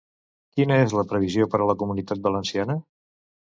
Quina és la previsió per a la Comunitat Valenciana?